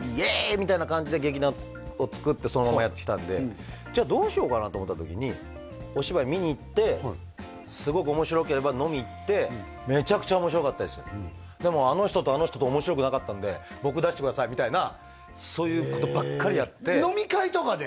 みたいな感じで劇団をつくってそのままやってきたんでじゃあどうしようかなと思った時にお芝居見に行ってすごく面白ければ飲みに行ってでもあの人とあの人と面白くなかったのでみたいなそういうことばっかりやって飲み会とかで？